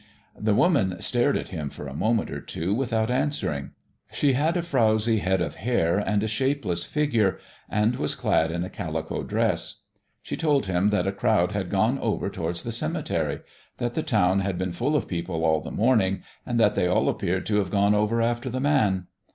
The woman stared at him for a moment or two without answering. She had a frowsy head of hair and a shapeless figure, and was clad in a calico dress. She told him that a crowd had gone over towards the cemetery; that the town had been full of people all the morning, and that they all appeared to have gone over after the Man.